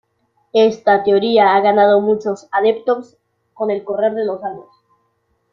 Esta teoría ha ganado muchos adeptos con el correr de los años.